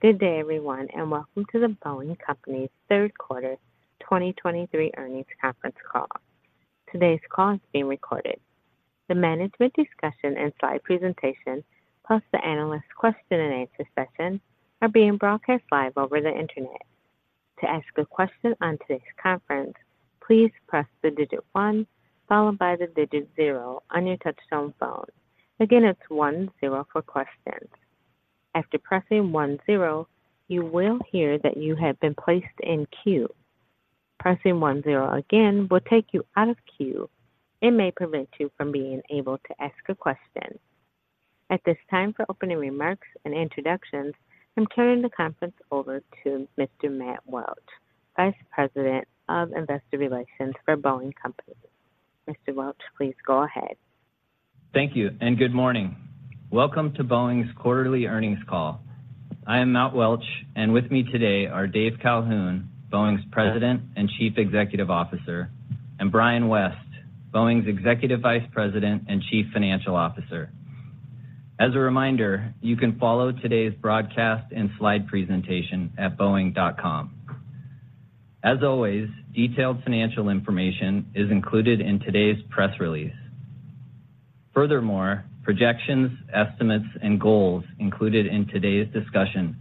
Good day, everyone, and welcome to The Boeing Company's third quarter 2023 earnings conference call. Today's call is being recorded. The management discussion and slide presentation, plus the analyst question-and-answer session, are being broadcast live over the Internet. To ask a question on today's conference, please press the digit 1, followed by the digit 0 on your touchtone phone. Again, it's 1, 0 for questions. After pressing 1, 0, you will hear that you have been placed in queue. Pressing 1, 0 again will take you out of queue and may prevent you from being able to ask a question. At this time, for opening remarks and introductions, I'm turning the conference over to Mr. Matt Welch, Vice President of Investor Relations for Boeing Company. Mr. Welch, please go ahead. Thank you, and good morning. Welcome to Boeing's quarterly earnings call. I am Matt Welch, and with me today are Dave Calhoun, Boeing's President and Chief Executive Officer, and Brian West, Boeing's Executive Vice President and Chief Financial Officer. As a reminder, you can follow today's broadcast and slide presentation at boeing.com. As always, detailed financial information is included in today's press release. Furthermore, projections, estimates, and goals included in today's discussion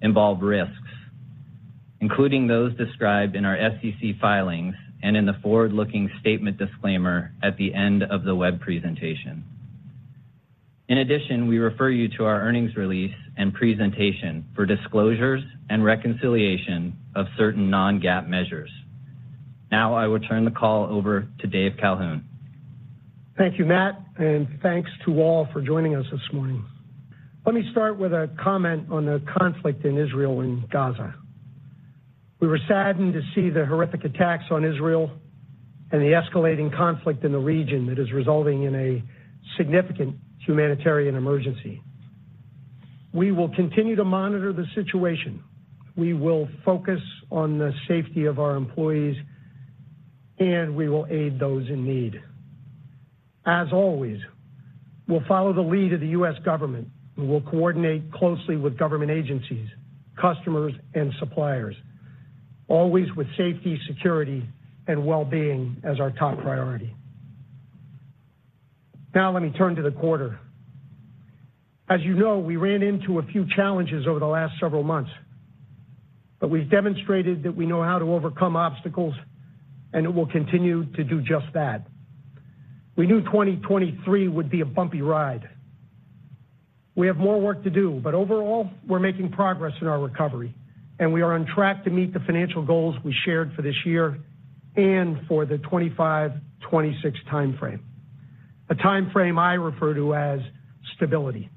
involve risks, including those described in our SEC filings and in the forward-looking statement disclaimer at the end of the web presentation. In addition, we refer you to our earnings release and presentation for disclosures and reconciliation of certain non-GAAP measures. Now I will turn the call over to Dave Calhoun. Thank you, Matt, and thanks to all for joining us this morning. Let me start with a comment on the conflict in Israel and Gaza. We were saddened to see the horrific attacks on Israel and the escalating conflict in the region that is resulting in a significant humanitarian emergency. We will continue to monitor the situation. We will focus on the safety of our employees, and we will aid those in need. As always, we'll follow the lead of the U.S. government, and we'll coordinate closely with government agencies, customers, and suppliers, always with safety, security, and well-being as our top priority. Now let me turn to the quarter. As you know, we ran into a few challenges over the last several months, but we've demonstrated that we know how to overcome obstacles, and we'll continue to do just that. We knew 2023 would be a bumpy ride. We have more work to do, but overall, we're making progress in our recovery, and we are on track to meet the financial goals we shared for this year and for the 2025-2026 time frame, a time frame I refer to as stability.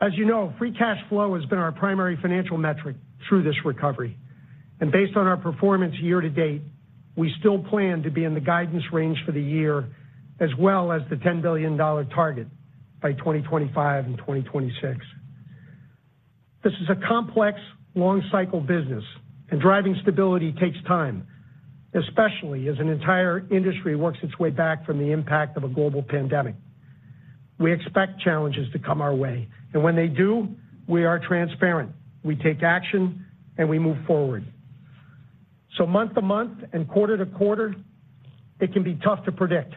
As you know, free cash flow has been our primary financial metric through this recovery, and based on our performance year to date, we still plan to be in the guidance range for the year, as well as the $10 billion target by 2025 and 2026. This is a complex, long-cycle business, and driving stability takes time, especially as an entire industry works its way back from the impact of a global pandemic. We expect challenges to come our way, and when they do, we are transparent. We take action, and we move forward. So month to month and quarter to quarter, it can be tough to predict,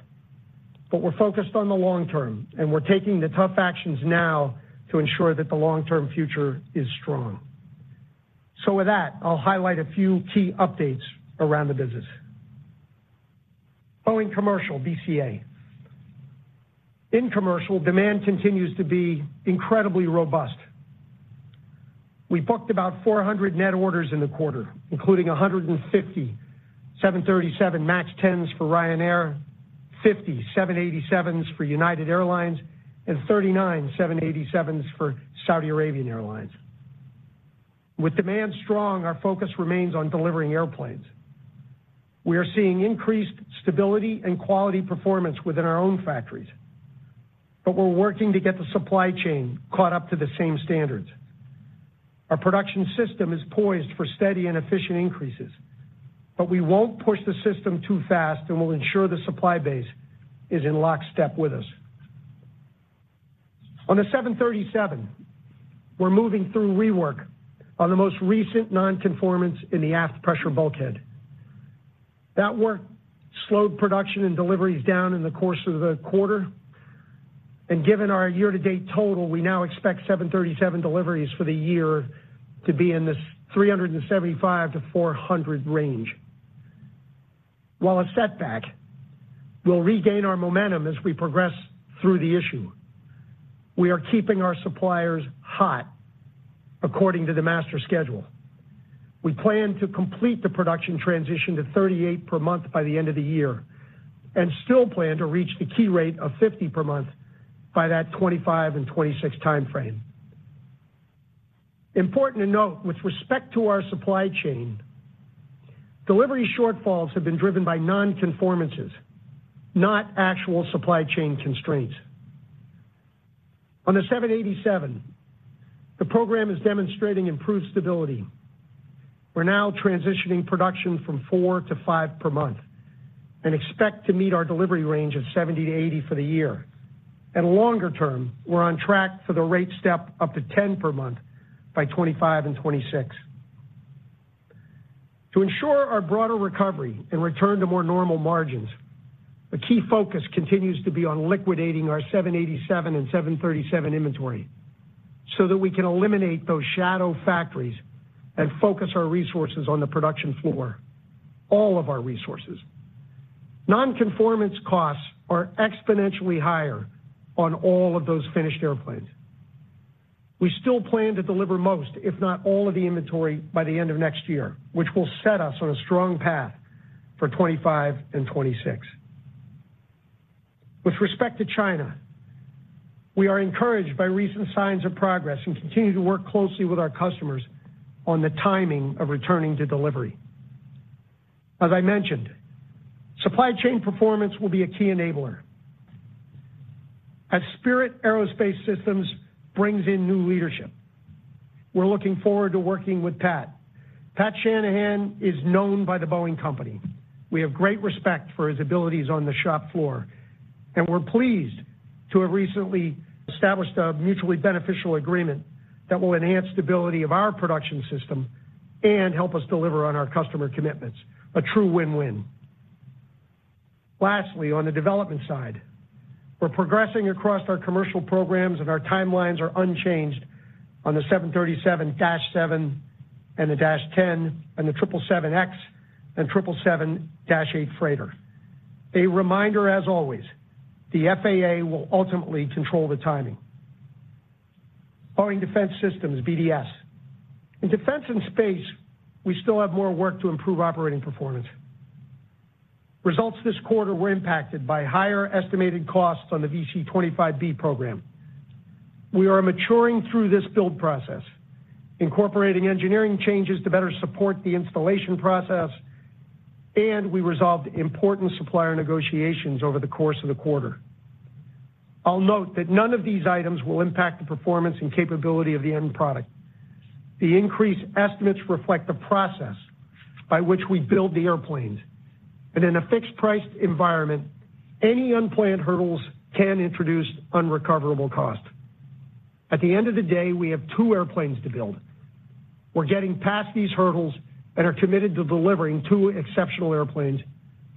but we're focused on the long term, and we're taking the tough actions now to ensure that the long-term future is strong. So with that, I'll highlight a few key updates around the business. Boeing Commercial, BCA. In commercial, demand continues to be incredibly robust. We booked about 400 net orders in the quarter, including 150 737 MAX 10s for Ryanair, 50 787s for United Airlines, and 39 787s for Saudi Arabian Airlines. With demand strong, our focus remains on delivering airplanes. We are seeing increased stability and quality performance within our own factories, but we're working to get the supply chain caught up to the same standards. Our production system is poised for steady and efficient increases, but we won't push the system too fast, and we'll ensure the supply base is in lockstep with us. On the 737, we're moving through rework on the most recent nonconformance in the aft pressure bulkhead. That work slowed production and deliveries down in the course of the quarter, and given our year-to-date total, we now expect 737 deliveries for the year to be in the 375-400 range. While a setback, we'll regain our momentum as we progress through the issue. We are keeping our suppliers hot according to the master schedule. We plan to complete the production transition to 38 per month by the end of the year and still plan to reach the key rate of 50 per month by that 2025 and 2026 time frame. Important to note, with respect to our supply chain, delivery shortfalls have been driven by nonconformances, not actual supply chain constraints. On the 787, the program is demonstrating improved stability. We're now transitioning production from 4 to 5 per month, and expect to meet our delivery range of 70-80 for the year. Longer term, we're on track for the rate step up to 10 per month by 2025 and 2026. To ensure our broader recovery and return to more normal margins, a key focus continues to be on liquidating our 787 and 737 inventory so that we can eliminate those shadow factories and focus our resources on the production floor, all of our resources. Nonconformance costs are exponentially higher on all of those finished airplanes. We still plan to deliver most, if not all, of the inventory by the end of next year, which will set us on a strong path for 25 and 26. With respect to China, we are encouraged by recent signs of progress and continue to work closely with our customers on the timing of returning to delivery. As I mentioned, supply chain performance will be a key enabler. As Spirit AeroSystems brings in new leadership, we're looking forward to working with Pat. Pat Shanahan is known by The Boeing Company. We have great respect for his abilities on the shop floor, and we're pleased to have recently established a mutually beneficial agreement that will enhance stability of our production system and help us deliver on our customer commitments. A true win-win. Lastly, on the development side, we're progressing across our commercial programs, and our timelines are unchanged on the 737-7 and the -10 and the 777X and 777-8 Freighter. A reminder, as always, the FAA will ultimately control the timing. Boeing Defense, Space & Security, BDS. In defense and space, we still have more work to improve operating performance. Results this quarter were impacted by higher estimated costs on the VC-25B program. We are maturing through this build process, incorporating engineering changes to better support the installation process, and we resolved important supplier negotiations over the course of the quarter. I'll note that none of these items will impact the performance and capability of the end product. The increased estimates reflect the process by which we build the airplanes, and in a fixed-price environment, any unplanned hurdles can introduce unrecoverable costs. At the end of the day, we have two airplanes to build. We're getting past these hurdles and are committed to delivering two exceptional airplanes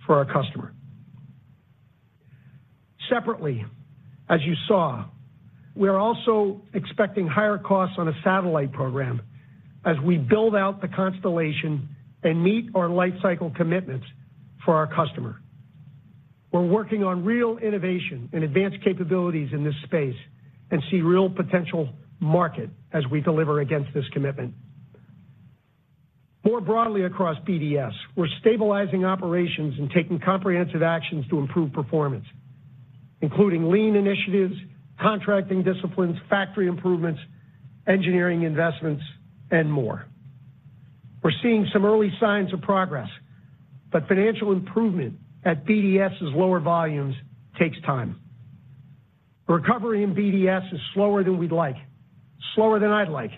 for our customer. Separately, as you saw, we are also expecting higher costs on a satellite program as we build out the constellation and meet our life cycle commitments for our customer. We're working on real innovation and advanced capabilities in this space and see real potential market as we deliver against this commitment. More broadly across BDS, we're stabilizing operations and taking comprehensive actions to improve performance, including lean initiatives, contracting disciplines, factory improvements, engineering investments, and more. We're seeing some early signs of progress, but financial improvement at BDS's lower volumes takes time. Recovery in BDS is slower than we'd like, slower than I'd like,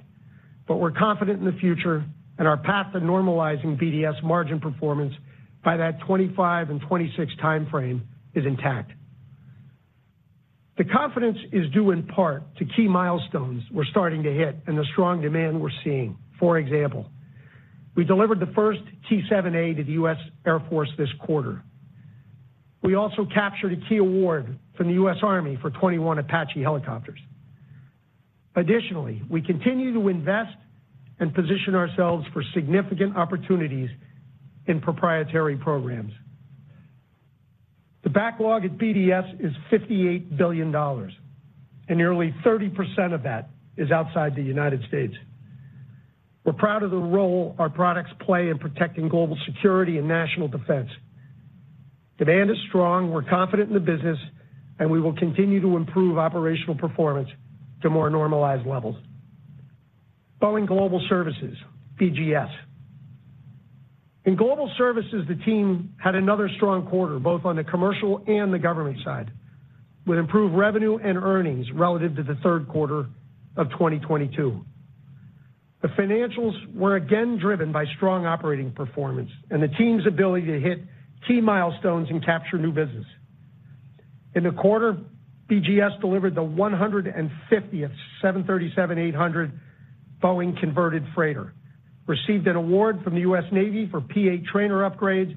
but we're confident in the future and our path to normalizing BDS margin performance by that 2025 and 2026 time frame is intact. The confidence is due in part to key milestones we're starting to hit and the strong demand we're seeing. For example, we delivered the first T-7A to the U.S. Air Force this quarter. We also captured a key award from the U.S. Army for 21 Apache helicopters. Additionally, we continue to invest and position ourselves for significant opportunities in proprietary programs. The backlog at BDS is $58 billion, and nearly 30% of that is outside the United States. We're proud of the role our products play in protecting global security and national defense. Demand is strong, we're confident in the business, and we will continue to improve operational performance to more normalized levels. Boeing Global Services, BGS. In Global Services, the team had another strong quarter, both on the commercial and the government side, with improved revenue and earnings relative to the third quarter of 2022. The financials were again driven by strong operating performance and the team's ability to hit key milestones and capture new business. In the quarter, BGS delivered the 150th 737-800 Boeing Converted Freighter, received an award from the U.S. Navy for P-8A trainer upgrades,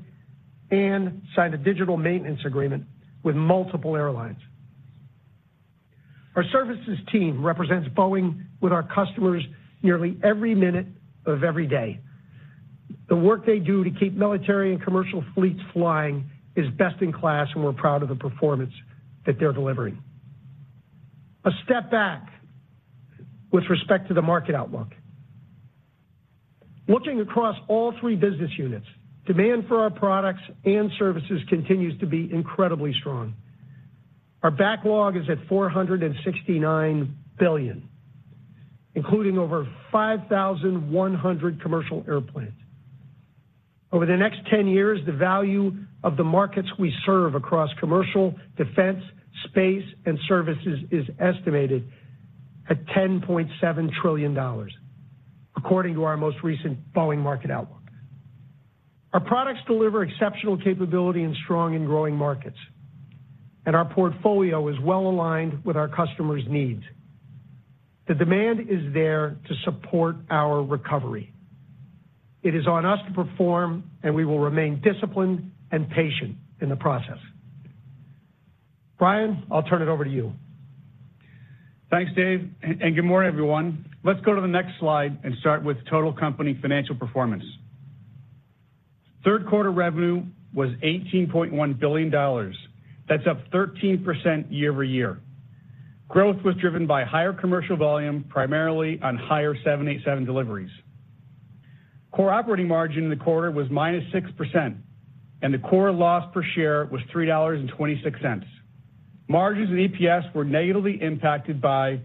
and signed a digital maintenance agreement with multiple airlines. Our services team represents Boeing with our customers nearly every minute of every day. The work they do to keep military and commercial fleets flying is best in class, and we're proud of the performance that they're delivering. A step back with respect to the market outlook. Looking across all three business units, demand for our products and services continues to be incredibly strong. Our backlog is at $469 billion, including over 5,100 commercial airplanes. Over the next 10 years, the value of the markets we serve across commercial, defense, space, and services is estimated at $10.7 trillion, according to our most recent Boeing market outlook. Our products deliver exceptional capability in strong and growing markets, and our portfolio is well aligned with our customers' needs. The demand is there to support our recovery. It is on us to perform, and we will remain disciplined and patient in the process. Brian, I'll turn it over to you. Thanks, Dave, and good morning, everyone. Let's go to the next slide and start with total company financial performance. Third quarter revenue was $18.1 billion. That's up 13% year-over-year. Growth was driven by higher commercial volume, primarily on higher 787 deliveries. Core operating margin in the quarter was -6%, and the core loss per share was $3.26. Margins and EPS were negatively impacted by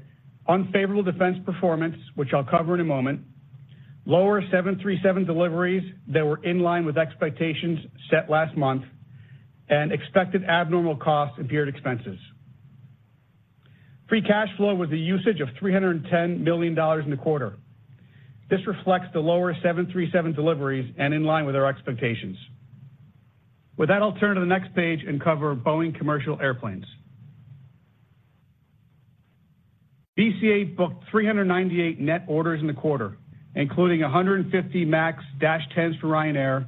unfavorable defense performance, which I'll cover in a moment, lower 737 deliveries that were in line with expectations set last month, and expected abnormal costs and period expenses. Free cash flow with a usage of $310 million in the quarter. This reflects the lower 737 deliveries and in line with our expectations. With that, I'll turn to the next page and cover Boeing Commercial Airplanes. BCA booked 398 net orders in the quarter, including 150 MAX 10s for Ryanair,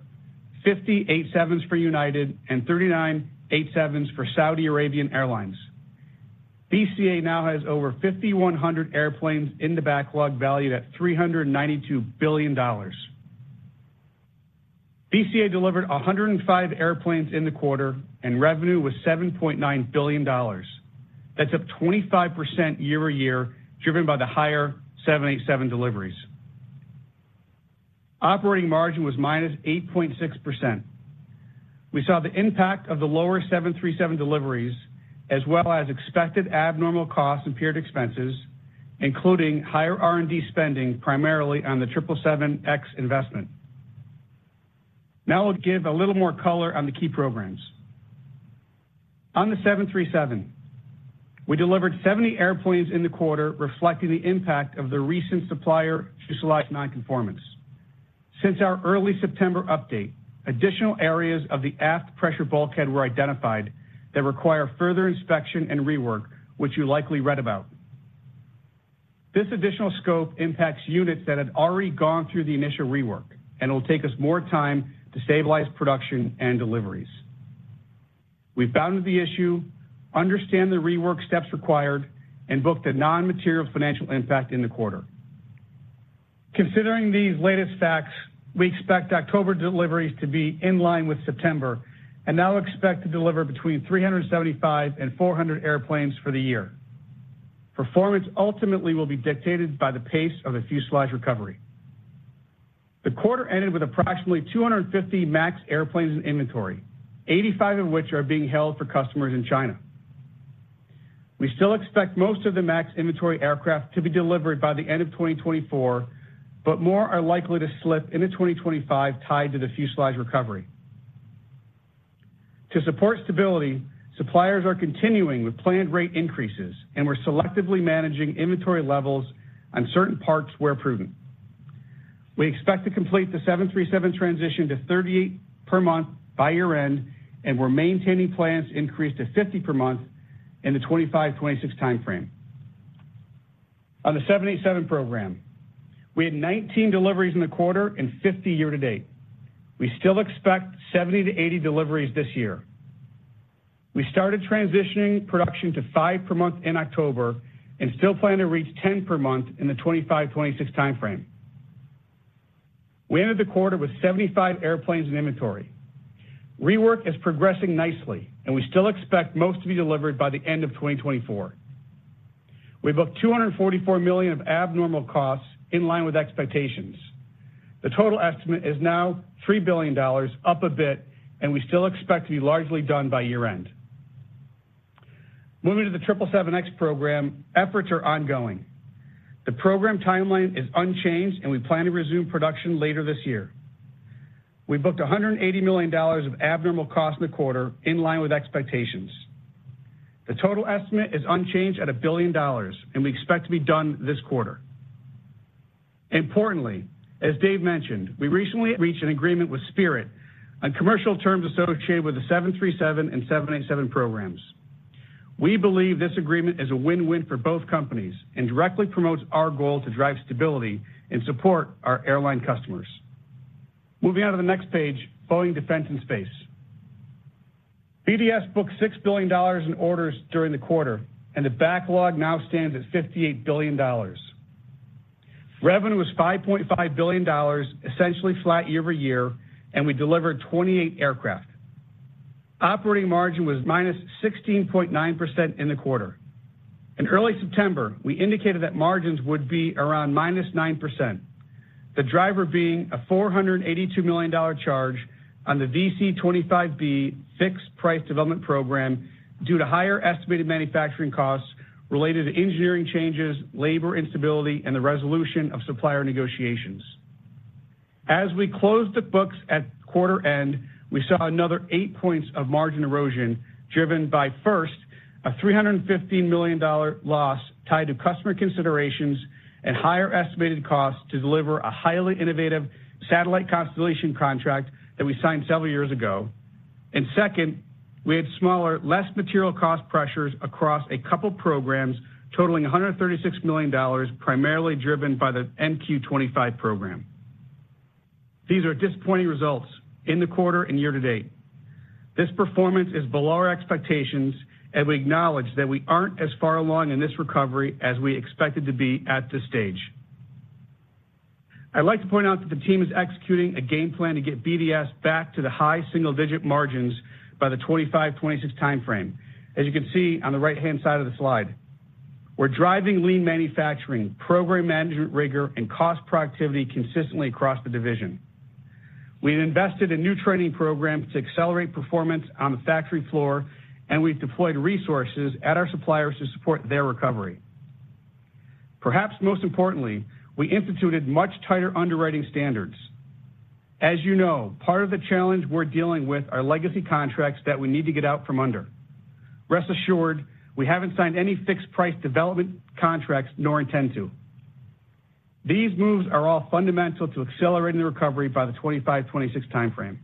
50 787s for United, and 39 787s for Saudi Arabian Airlines. BCA now has over 5,100 airplanes in the backlog, valued at $392 billion. BCA delivered 105 airplanes in the quarter, and revenue was $7.9 billion. That's up 25% year-over-year, driven by the higher 787 deliveries. Operating margin was -8.6%. We saw the impact of the lower 737 deliveries, as well as expected abnormal costs and period expenses, including higher R&D spending, primarily on the 777X investment. Now I'll give a little more color on the key programs. On the 737, we delivered 70 airplanes in the quarter, reflecting the impact of the recent supplier fuselage nonconformance. Since our early September update, additional areas of the aft pressure bulkhead were identified that require further inspection and rework, which you likely read about. This additional scope impacts units that had already gone through the initial rework and will take us more time to stabilize production and deliveries. We've bounded the issue, understand the rework steps required, and booked a non-material financial impact in the quarter. Considering these latest facts, we expect October deliveries to be in line with September and now expect to deliver between 375 and 400 airplanes for the year. Performance ultimately will be dictated by the pace of the fuselage recovery. The quarter ended with approximately 250 MAX airplanes in inventory, 85 of which are being held for customers in China. We still expect most of the MAX inventory aircraft to be delivered by the end of 2024, but more are likely to slip into 2025, tied to the fuselage recovery. To support stability, suppliers are continuing with planned rate increases, and we're selectively managing inventory levels on certain parts where prudent. We expect to complete the 737 transition to 38 per month by year-end, and we're maintaining plans to increase to 50 per month in the 2025-2026 time frame. On the 787 program, we had 19 deliveries in the quarter and 50 year to date. We still expect 70-80 deliveries this year. We started transitioning production to 5 per month in October and still plan to reach 10 per month in the 2025-2026 time frame. We ended the quarter with 75 airplanes in inventory. Rework is progressing nicely, and we still expect most to be delivered by the end of 2024. We booked $244 million of abnormal costs in line with expectations. The total estimate is now $3 billion, up a bit, and we still expect to be largely done by year-end. Moving to the 777X program, efforts are ongoing. The program timeline is unchanged, and we plan to resume production later this year. We booked $180 million of abnormal costs in the quarter, in line with expectations. The total estimate is unchanged at $1 billion, and we expect to be done this quarter. Importantly, as Dave mentioned, we recently reached an agreement with Spirit on commercial terms associated with the 737 and 787 programs. We believe this agreement is a win-win for both companies and directly promotes our goal to drive stability and support our airline customers. Moving on to the next page, Boeing Defense, Space & Security. BDS booked $6 billion in orders during the quarter, and the backlog now stands at $58 billion. Revenue was $5.5 billion, essentially flat year-over-year, and we delivered 28 aircraft. Operating margin was -16.9% in the quarter. In early September, we indicated that margins would be around -9%, the driver being a $482 million charge-... On the VC-25B fixed-price development program due to higher estimated manufacturing costs related to engineering changes, labor instability, and the resolution of supplier negotiations. As we closed the books at quarter end, we saw another 8 points of margin erosion, driven by first, a $315 million loss tied to customer considerations and higher estimated costs to deliver a highly innovative satellite constellation contract that we signed several years ago. And second, we had smaller, less material cost pressures across a couple of programs, totaling $136 million, primarily driven by the MQ-25 program. These are disappointing results in the quarter and year to date. This performance is below our expectations, and we acknowledge that we aren't as far along in this recovery as we expected to be at this stage. I'd like to point out that the team is executing a game plan to get BDS back to the high single-digit margins by the 2025, 2026 timeframe, as you can see on the right-hand side of the slide. We're driving lean manufacturing, program management rigor, and cost productivity consistently across the division. We've invested in new training programs to accelerate performance on the factory floor, and we've deployed resources at our suppliers to support their recovery. Perhaps most importantly, we instituted much tighter underwriting standards. As you know, part of the challenge we're dealing with are legacy contracts that we need to get out from under. Rest assured, we haven't signed any fixed-price development contracts, nor intend to. These moves are all fundamental to accelerating the recovery by the 2025, 2026 timeframe.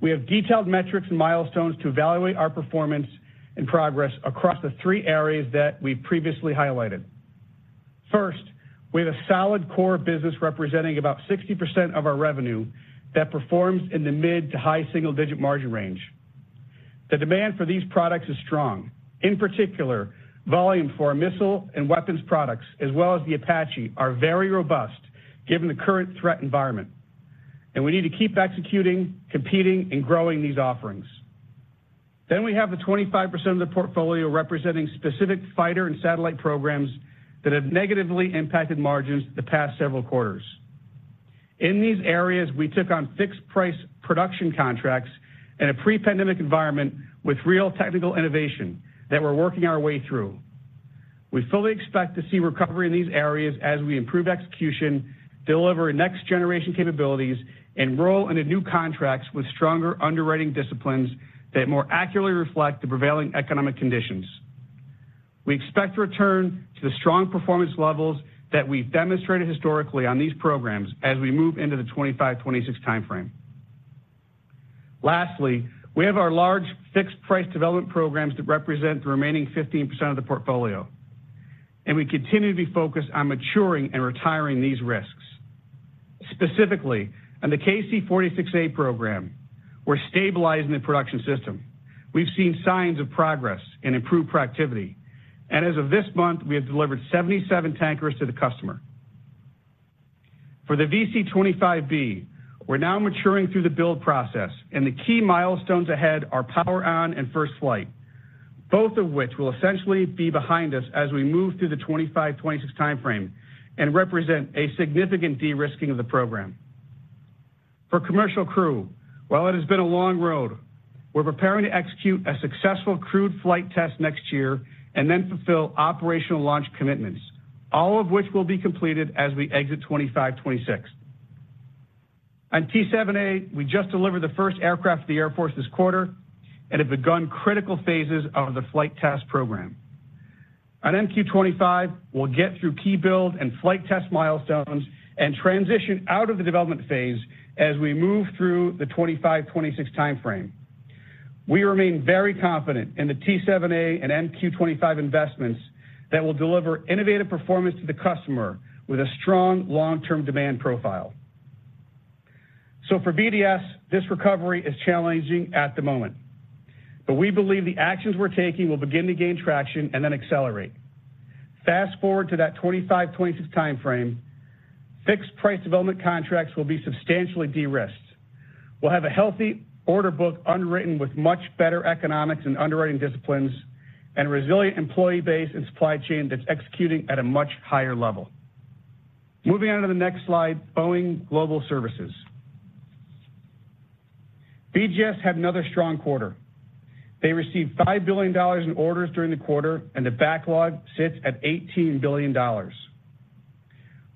We have detailed metrics and milestones to evaluate our performance and progress across the three areas that we previously highlighted. First, we have a solid core business representing about 60% of our revenue that performs in the mid to high single-digit margin range. The demand for these products is strong. In particular, volume for our missile and weapons products, as well as the Apache, are very robust given the current threat environment, and we need to keep executing, competing, and growing these offerings. Then we have the 25% of the portfolio representing specific fighter and satellite programs that have negatively impacted margins the past several quarters. In these areas, we took on fixed-price production contracts in a pre-pandemic environment with real technical innovation that we're working our way through. We fully expect to see recovery in these areas as we improve execution, deliver next-generation capabilities, and roll into new contracts with stronger underwriting disciplines that more accurately reflect the prevailing economic conditions. We expect to return to the strong performance levels that we've demonstrated historically on these programs as we move into the 25, 26 timeframe. Lastly, we have our large fixed-price development programs that represent the remaining 15% of the portfolio, and we continue to be focused on maturing and retiring these risks. Specifically, on the KC-46A program, we're stabilizing the production system. We've seen signs of progress and improved productivity, and as of this month, we have delivered 77 tankers to the customer. For the VC-25B, we're now maturing through the build process, and the key milestones ahead are power on and first flight, both of which will essentially be behind us as we move through the 2025, 2026 timeframe and represent a significant de-risking of the program. For Commercial Crew, while it has been a long road, we're preparing to execute a successful crewed flight test next year and then fulfill operational launch commitments, all of which will be completed as we exit 2025, 2026. On T-7A, we just delivered the first aircraft to the Air Force this quarter and have begun critical phases of the flight test program. On MQ-25, we'll get through key build and flight test milestones and transition out of the development phase as we move through the 2025, 2026 timeframe. We remain very confident in the T-7A and MQ-25 investments that will deliver innovative performance to the customer with a strong long-term demand profile. So for BDS, this recovery is challenging at the moment, but we believe the actions we're taking will begin to gain traction and then accelerate. Fast-forward to that 2025, 2026 timeframe, fixed-price development contracts will be substantially de-risked. We'll have a healthy order book underwritten with much better economics and underwriting disciplines and a resilient employee base and supply chain that's executing at a much higher level. Moving on to the next slide, Boeing Global Services. BGS had another strong quarter. They received $5 billion in orders during the quarter, and the backlog sits at $18 billion.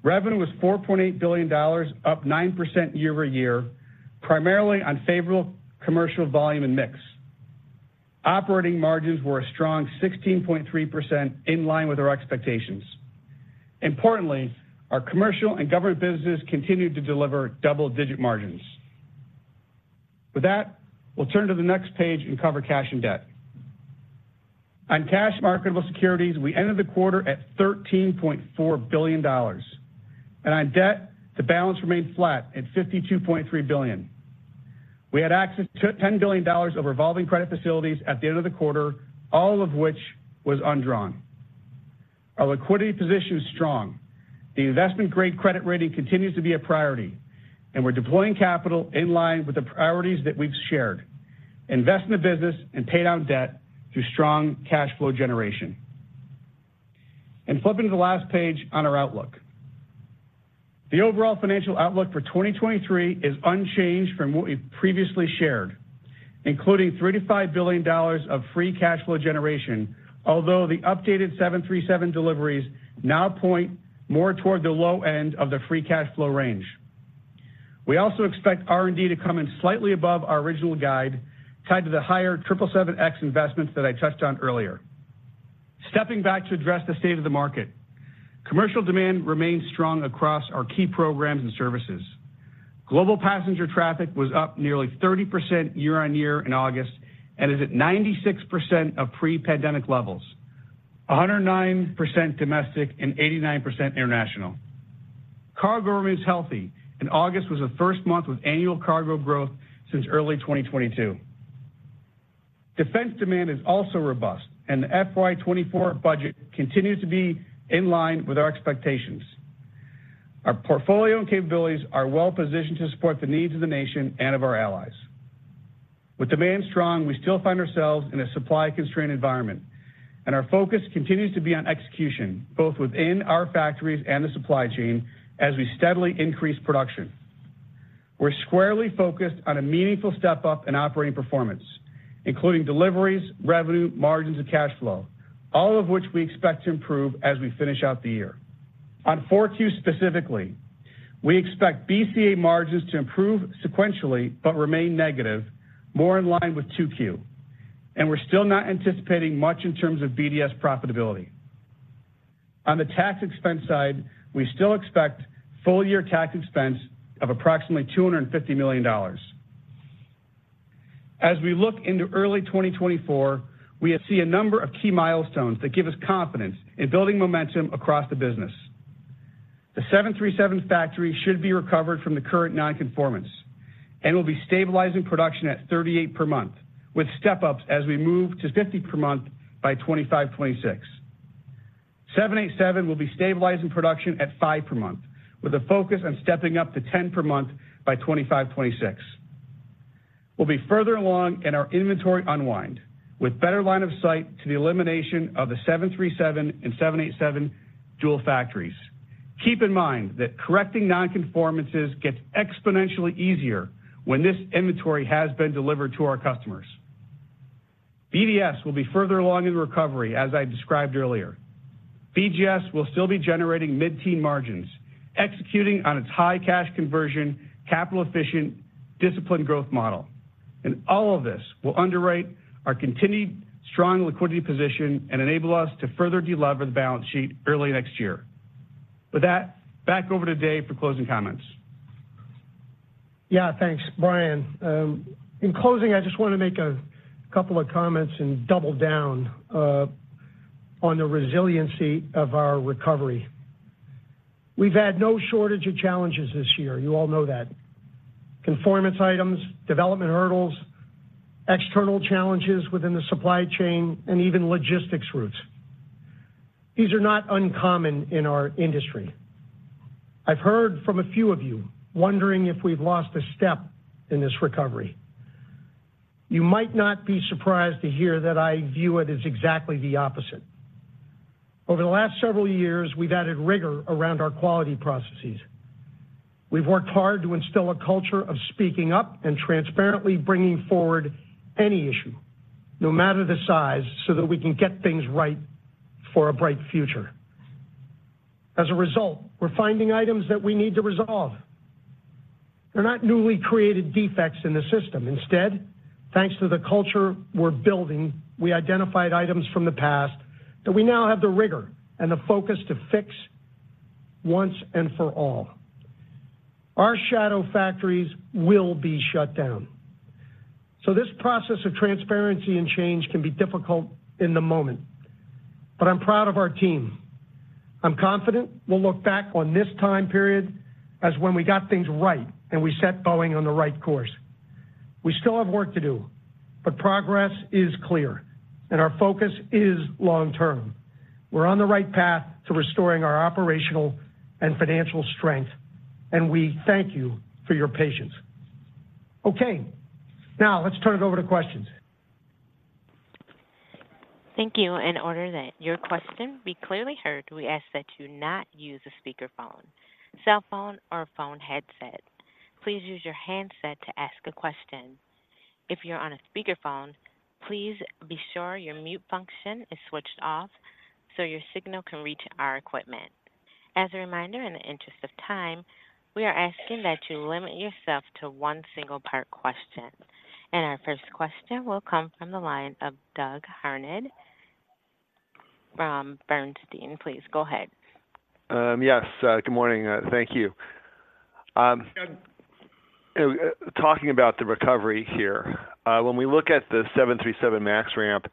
Revenue was $4.8 billion, up 9% year-over-year, primarily on favorable commercial volume and mix. Operating margins were a strong 16.3% in line with our expectations. Importantly, our commercial and government businesses continued to deliver double-digit margins. With that, we'll turn to the next page and cover cash and debt. On cash marketable securities, we ended the quarter at $13.4 billion, and on debt, the balance remained flat at $52.3 billion. We had access to $10 billion of revolving credit facilities at the end of the quarter, all of which was undrawn. Our liquidity position is strong. The investment-grade credit rating continues to be a priority, and we're deploying capital in line with the priorities that we've shared: invest in the business and pay down debt through strong cash flow generation.... And flipping to the last page on our outlook. The overall financial outlook for 2023 is unchanged from what we've previously shared, including $3 billion-$5 billion of free cash flow generation, although the updated 737 deliveries now point more toward the low end of the free cash flow range. We also expect R&D to come in slightly above our original guide, tied to the higher 777X investments that I touched on earlier. Stepping back to address the state of the market, commercial demand remains strong across our key programs and services. Global passenger traffic was up nearly 30% year-on-year in August, and is at 96% of pre-pandemic levels, 109% domestic and 89% international. Cargo remains healthy, and August was the first month with annual cargo growth since early 2022. Defense demand is also robust, and the FY 2024 budget continues to be in line with our expectations. Our portfolio and capabilities are well positioned to support the needs of the nation and of our allies. With demand strong, we still find ourselves in a supply-constrained environment, and our focus continues to be on execution, both within our factories and the supply chain, as we steadily increase production. We're squarely focused on a meaningful step-up in operating performance, including deliveries, revenue, margins, and cash flow, all of which we expect to improve as we finish out the year. On 4Q specifically, we expect BCA margins to improve sequentially, but remain negative, more in line with 2Q, and we're still not anticipating much in terms of BDS profitability. On the tax expense side, we still expect full-year tax expense of approximately $250 million. As we look into early 2024, we see a number of key milestones that give us confidence in building momentum across the business. The 737 factory should be recovered from the current nonconformance, and will be stabilizing production at 38 per month, with step-ups as we move to 50 per month by 2025, 2026. 787 will be stabilizing production at 5 per month, with a focus on stepping up to 10 per month by 2025, 2026. We'll be further along in our inventory unwind, with better line of sight to the elimination of the 737 and 787 dual factories. Keep in mind that correcting nonconformances gets exponentially easier when this inventory has been delivered to our customers. BDS will be further along in recovery, as I described earlier. BGS will still be generating mid-teen margins, executing on its high cash conversion, capital-efficient, disciplined growth model. All of this will underwrite our continued strong liquidity position and enable us to further delever the balance sheet early next year. With that, back over to Dave for closing comments. Yeah, thanks, Brian. In closing, I just want to make a couple of comments and double down on the resiliency of our recovery. We've had no shortage of challenges this year. You all know that. Nonconformance items, development hurdles, external challenges within the supply chain, and even logistics routes. These are not uncommon in our industry. I've heard from a few of you wondering if we've lost a step in this recovery. You might not be surprised to hear that I view it as exactly the opposite. Over the last several years, we've added rigor around our quality processes. We've worked hard to instill a culture of speaking up and transparently bringing forward any issue, no matter the size, so that we can get things right for a bright future. As a result, we're finding items that we need to resolve. They're not newly created defects in the system. Instead, thanks to the culture we're building, we identified items from the past that we now have the rigor and the focus to fix once and for all. Our shadow factories will be shut down. So this process of transparency and change can be difficult in the moment, but I'm proud of our team. I'm confident we'll look back on this time period as when we got things right and we set Boeing on the right course. We still have work to do, but progress is clear and our focus is long-term. We're on the right path to restoring our operational and financial strength, and we thank you for your patience. Okay, now let's turn it over to questions. Thank you. In order that your question be clearly heard, we ask that you not use a speakerphone, cell phone, or a phone headset. Please use your handset to ask a question. If you're on a speakerphone, please be sure your mute function is switched off so your signal can reach our equipment. As a reminder, in the interest of time, we are asking that you limit yourself to one single-part question. Our first question will come from the line of Doug Harned from Bernstein. Please go ahead. Yes, good morning. Thank you. Talking about the recovery here, when we look at the 737 MAX ramp,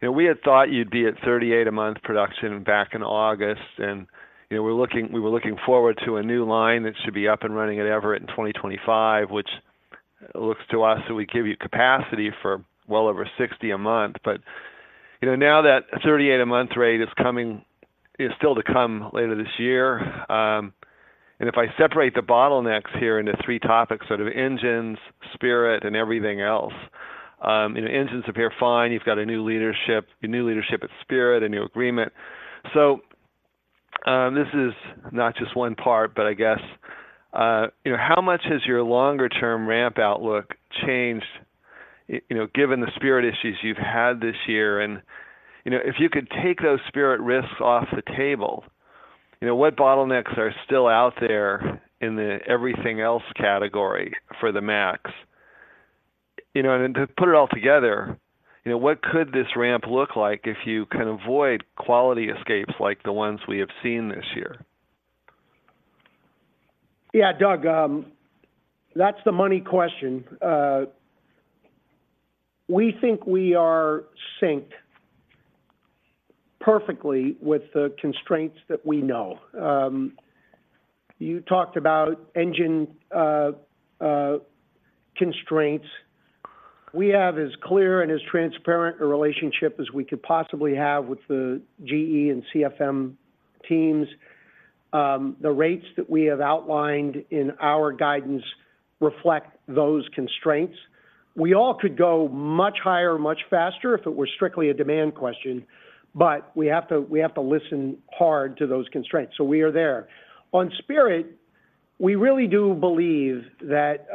you know, we had thought you'd be at 38 a month production back in August, and, you know, we're looking, we were looking forward to a new line that should be up and running at Everett in 2025, which looks to us that we give you capacity for well over 60 a month. But, you know, now that 38 a month rate is coming, is still to come later this year. If I separate the bottlenecks here into three topics, sort of engines, Spirit, and everything else, you know, engines appear fine. You've got a new leadership, a new leadership at Spirit, a new agreement. So, this is not just one part, but I guess, you know, how much has your longer term ramp outlook changed, you know, given the Spirit issues you've had this year? And, you know, if you could take those Spirit risks off the table, you know, what bottlenecks are still out there in the everything else category for the MAX? You know, and then to put it all together, you know, what could this ramp look like if you can avoid quality escapes like the ones we have seen this year? Yeah, Doug, that's the money question. We think we are synced perfectly with the constraints that we know. You talked about engine constraints. We have as clear and as transparent a relationship as we could possibly have with the GE and CFM teams. The rates that we have outlined in our guidance reflect those constraints. We all could go much higher, much faster, if it were strictly a demand question, but we have to listen hard to those constraints, so we are there. On Spirit, we really do believe that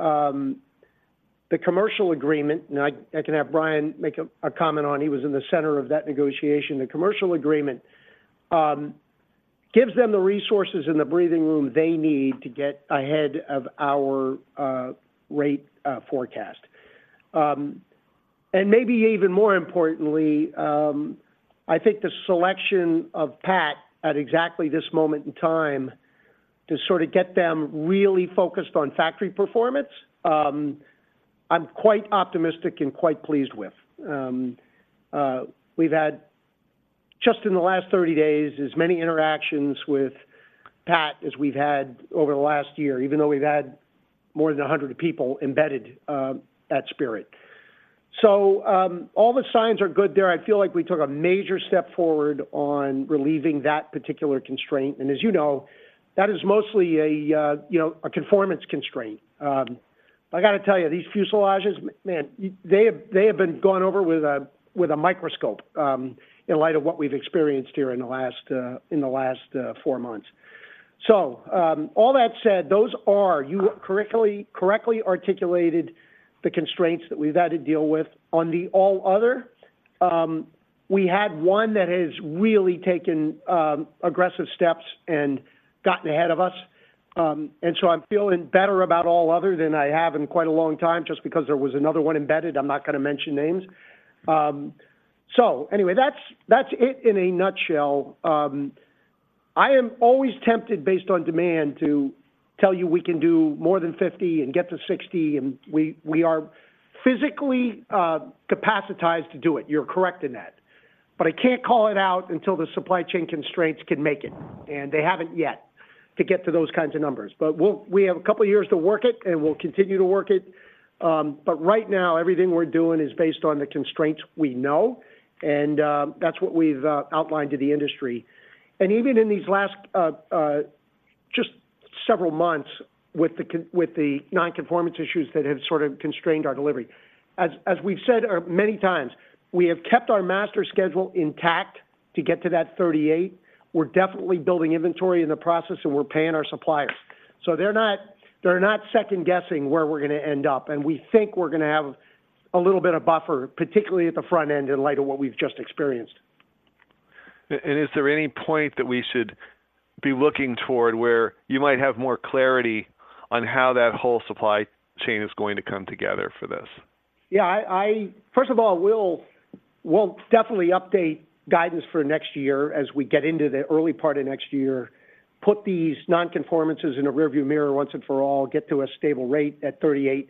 the commercial agreement, and I can have Brian make a comment on, he was in the center of that negotiation. The commercial agreement gives them the resources and the breathing room they need to get ahead of our rate forecast. And maybe even more importantly, I think the selection of Pat at exactly this moment in time to sort of get them really focused on factory performance. I'm quite optimistic and quite pleased with. We've had, just in the last 30 days, as many interactions with Pat as we've had over the last year, even though we've had more than 100 people embedded at Spirit. So, all the signs are good there. I feel like we took a major step forward on relieving that particular constraint, and as you know, that is mostly a, you know, a conformance constraint. I got to tell you, these fuselages, man, they have been gone over with a microscope, in light of what we've experienced here in the last four months. So, all that said, those are. You correctly, correctly articulated the constraints that we've had to deal with. On the all other, we had one that has really taken aggressive steps and gotten ahead of us. And so I'm feeling better about all other than I have in quite a long time, just because there was another one embedded. I'm not gonna mention names. So anyway, that's, that's it in a nutshell. I am always tempted, based on demand, to tell you we can do more than 50 and get to 60, and we, we are physically capacitized to do it. You're correct in that. But I can't call it out until the supply chain constraints can make it, and they haven't yet to get to those kinds of numbers. But we have a couple of years to work it, and we'll continue to work it. But right now, everything we're doing is based on the constraints we know, and that's what we've outlined to the industry. And even in these last just several months with the nonconformance issues that have sort of constrained our delivery, as we've said many times, we have kept our master schedule intact to get to that 38. We're definitely building inventory in the process, and we're paying our suppliers. So they're not, they're not second-guessing where we're gonna end up, and we think we're gonna have a little bit of buffer, particularly at the front end, in light of what we've just experienced. Is there any point that we should be looking toward where you might have more clarity on how that whole supply chain is going to come together for this? Yeah, first of all, we'll definitely update guidance for next year as we get into the early part of next year, put these nonconformances in a rearview mirror once and for all, get to a stable rate at 38,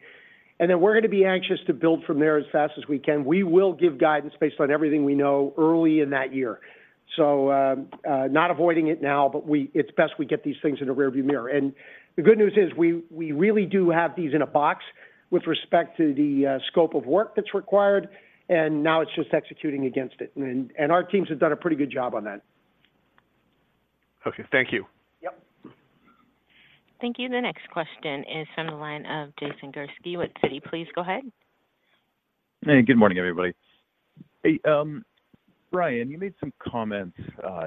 and then we're gonna be anxious to build from there as fast as we can. We will give guidance based on everything we know early in that year. So, not avoiding it now, but we—it's best we get these things in a rearview mirror. And the good news is we really do have these in a box with respect to the scope of work that's required, and now it's just executing against it. And our teams have done a pretty good job on that. Okay. Thank you. Yep. Thank you. The next question is from the line of Jason Gursky with Citi. Please go ahead. Hey, good morning, everybody. Hey, Brian, you made some comments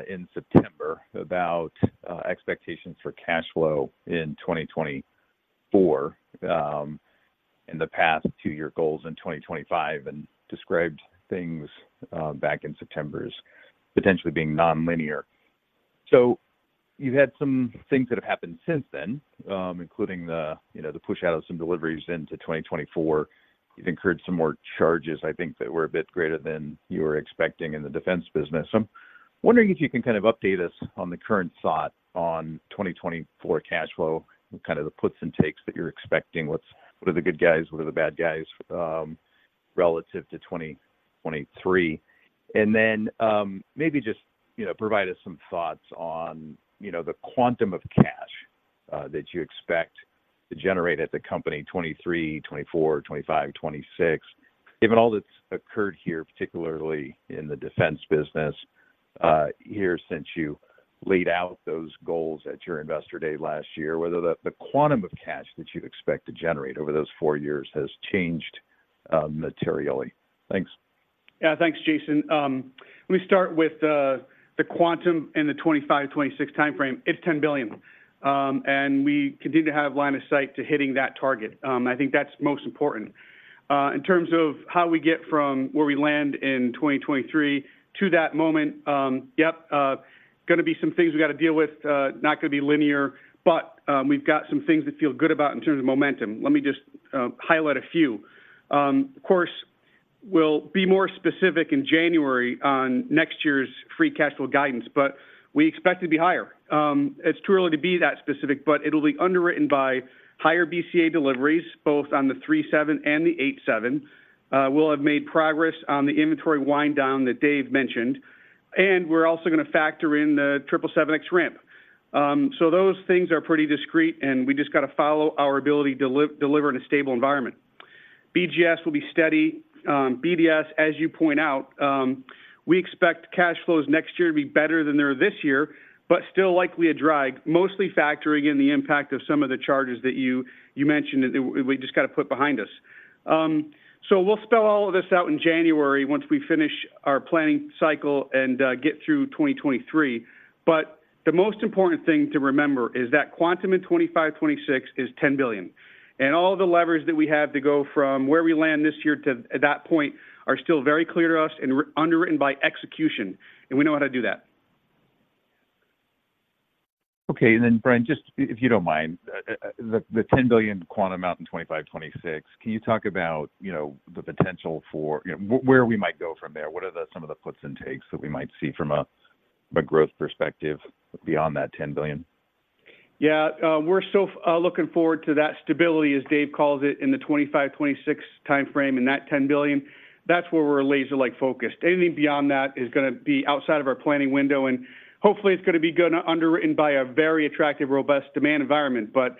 in September about expectations for cash flow in 2024, in the past two year goals in 2025, and described things back in September as potentially being nonlinear. So you've had some things that have happened since then, including the, you know, the push out of some deliveries into 2024. You've incurred some more charges, I think, that were a bit greater than you were expecting in the defense business. So I'm wondering if you can kind of update us on the current thought on 2024 cash flow, kind of the puts and takes that you're expecting. What's, what are the good guys, what are the bad guys, relative to 2023? And then, maybe just, you know, provide us some thoughts on, you know, the quantum of cash that you expect to generate at the company 2023, 2024, 2025, 2026. Given all that's occurred here, particularly in the defense business, here since you laid out those goals at your Investor Day last year, whether the, the quantum of cash that you expect to generate over those four years has changed, materially? Thanks. Yeah, thanks, Jason. Let me start with the quantum and the 2025, 2026 timeframe. It's $10 billion. And we continue to have line of sight to hitting that target. I think that's most important. In terms of how we get from where we land in 2023 to that moment, yep, gonna be some things we got to deal with, not going to be linear, but we've got some things that feel good about in terms of momentum. Let me just highlight a few. Of course, we'll be more specific in January on next year's free cash flow guidance, but we expect it to be higher. It's too early to be that specific, but it'll be underwritten by higher BCA deliveries, both on the 737 and the 787. We'll have made progress on the inventory wind down that Dave mentioned, and we're also going to factor in the 777X ramp. So those things are pretty discrete, and we just got to follow our ability to deliver in a stable environment. BGS will be steady. BDS, as you point out, we expect cash flows next year to be better than they are this year, but still likely a drag, mostly factoring in the impact of some of the charges that you mentioned, that we just got to put behind us. So we'll spell all of this out in January once we finish our planning cycle and get through 2023. But the most important thing to remember is that quantum in 2025, 2026 is $10 billion. All the levers that we have to go from where we land this year to that point are still very clear to us and are underwritten by execution, and we know how to do that. Okay, and then, Brian, just if you don't mind, the $10 billion quantum out in 2025, 2026, can you talk about, you know, the potential for, you know, where we might go from there? What are some of the puts and takes that we might see from a growth perspective beyond that $10 billion? Yeah, we're so looking forward to that stability, as Dave calls it, in the 2025-2026 timeframe, and that $10 billion, that's where we're laser-like focused. Anything beyond that is going to be outside of our planning window, and hopefully, it's going to be good underwritten by a very attractive, robust demand environment. But,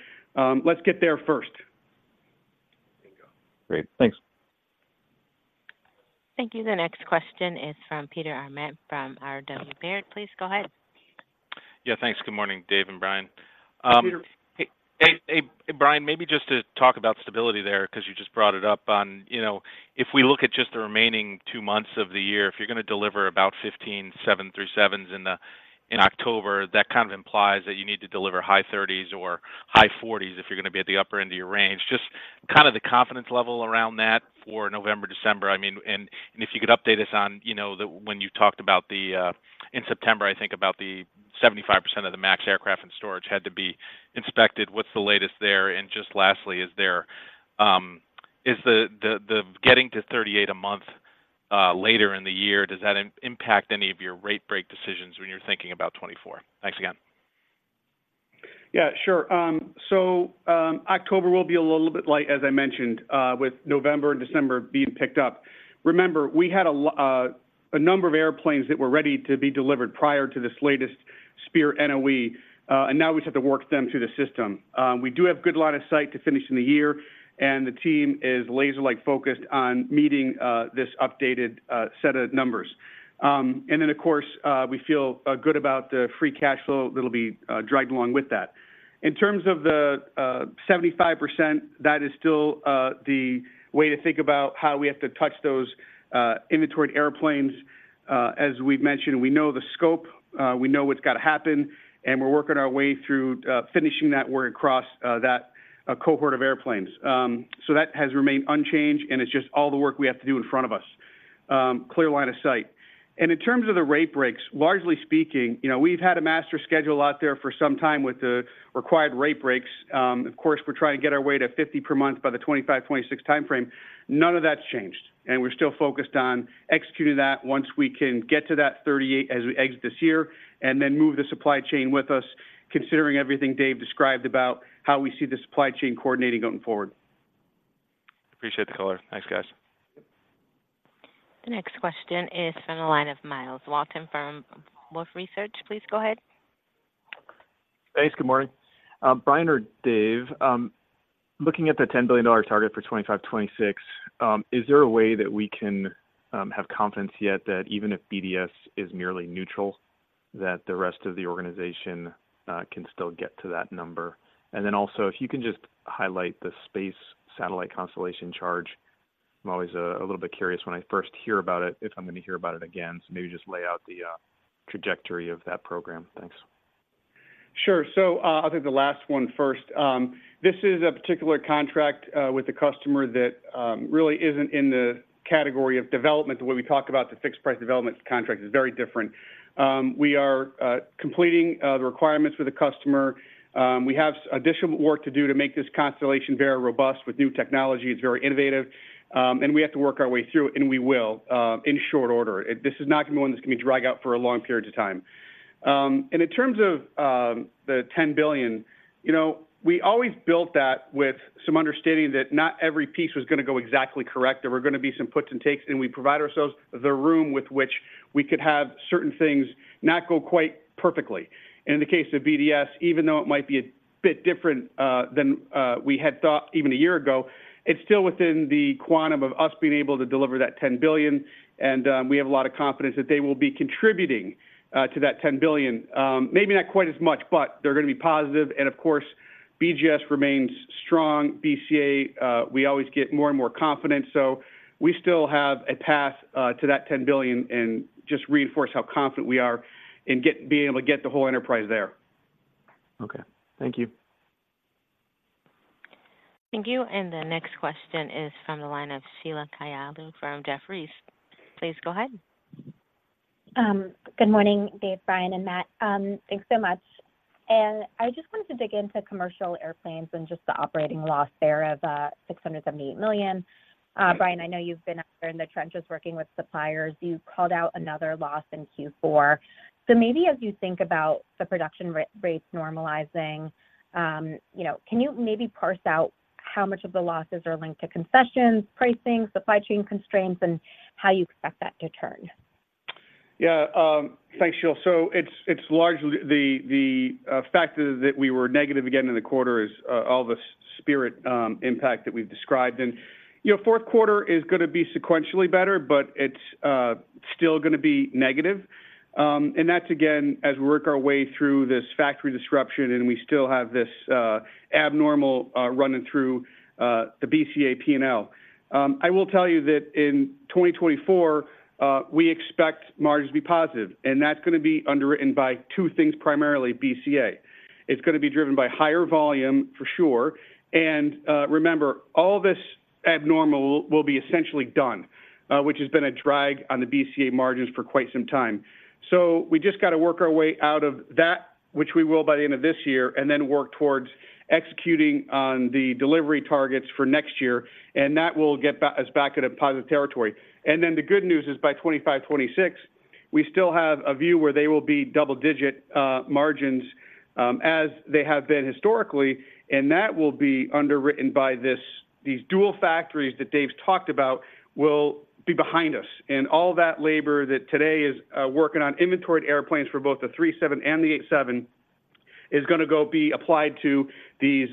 let's get there first. Great. Thanks. Thank you. The next question is from Peter Arment from RW Baird. Please go ahead. Yeah, thanks. Good morning, Dave and Brian. Hi, Peter. Hey, hey, hey, Brian, maybe just to talk about stability there, because you just brought it up on, you know, if we look at just the remaining two months of the year, if you're going to deliver about 15 737s in October, that kind of implies that you need to deliver high thirties or high forties if you're going to be at the upper end of your range. Just kind of the confidence level around that for November, December. I mean, if you could update us on, you know, when you talked about the, in September, I think about the 75% of the MAX aircraft in storage had to be inspected. What's the latest there? Just lastly, is there, is the getting to 38 a month later in the year, does that impact any of your rate break decisions when you're thinking about 2024? Thanks again. Yeah, sure. So, October will be a little bit light, as I mentioned, with November and December being picked up. Remember, we had a number of airplanes that were ready to be delivered prior to this latest Spirit NOE, and now we just have to work them through the system. We do have good line of sight to finish in the year, and the team is laser-like focused on meeting this updated set of numbers. And then, of course, we feel good about the free cash flow that'll be dragged along with that. In terms of the 75%, that is still the way to think about how we have to touch those inventoried airplanes. As we've mentioned, we know the scope, we know what's got to happen, and we're working our way through finishing that work across that cohort of airplanes. So that has remained unchanged, and it's just all the work we have to do in front of us. Clear line of sight. And in terms of the rate breaks, largely speaking, you know, we've had a master schedule out there for some time with the required rate breaks. Of course, we're trying to get our way to 50 per month by the 2025-2026 timeframe. None of that's changed, and we're still focused on executing that once we can get to that 38 as we exit this year, and then move the supply chain with us, considering everything Dave described about how we see the supply chain coordinating going forward. Appreciate the color. Thanks, guys. The next question is from the line of Myles Walton from Wolfe Research. Please go ahead. Thanks. Good morning. Brian or Dave, looking at the $10 billion target for 2025, 2026, is there a way that we can have confidence yet that even if BDS is merely neutral, that the rest of the organization can still get to that number? And then also, if you can just highlight the space satellite constellation charge. I'm always a little bit curious when I first hear about it, if I'm going to hear about it again. So maybe just lay out the trajectory of that program. Thanks. Sure. I'll take the last one first. This is a particular contract with a customer that really isn't in the category of development. The way we talk about the fixed price development contract is very different. We are completing the requirements with the customer. We have additional work to do to make this constellation very robust with new technology. It's very innovative, and we have to work our way through, and we will, in short order. This is not going to be one that's going to be dragged out for long periods of time. In terms of the $10 billion, you know, we always built that with some understanding that not every piece was going to go exactly correct. There were going to be some puts and takes, and we provide ourselves the room with which we could have certain things not go quite perfectly. In the case of BDS, even though it might be a bit different than we had thought even a year ago, it's still within the quantum of us being able to deliver that $10 billion, and we have a lot of confidence that they will be contributing to that $10 billion. Maybe not quite as much, but they're going to be positive, and of course, BGS remains strong. BCA, we always get more and more confident. So we still have a path to that $10 billion and just reinforce how confident we are in being able to get the whole enterprise there. Okay. Thank you. Thank you, and the next question is from the line of Sheila Kahyaoglu from Jefferies. Please go ahead. Good morning, Dave, Brian, and Matt. Thanks so much. I just wanted to dig into commercial airplanes and just the operating loss there of $678 million. Brian, I know you've been out there in the trenches working with suppliers. You called out another loss in Q4. So maybe as you think about the production rates normalizing, you know, can you maybe parse out how much of the losses are linked to concessions, pricing, supply chain constraints, and how you expect that to turn? Yeah, thanks, Sheila. So it's largely the fact is that we were negative again in the quarter is all the Spirit impact that we've described. And, you know, fourth quarter is going to be sequentially better, but it's still going to be negative. And that's again, as we work our way through this factory disruption, and we still have this abnormal running through the BCA P&L. I will tell you that in 2024, we expect margins to be positive, and that's going to be underwritten by two things, primarily BCA. It's going to be driven by higher volume, for sure, and, remember, all this abnormal will be essentially done, which has been a drag on the BCA margins for quite some time. So we just got to work our way out of that, which we will by the end of this year, and then work towards executing on the delivery targets for next year, and that will get us back in a positive territory. And then the good news is by 2025, 2026, we still have a view where they will be double-digit margins as they have been historically, and that will be underwritten by this—these dual factories that Dave's talked about will be behind us. And all that labor that today is working on inventoried airplanes for both the 737 and the 787 is going to go be applied to these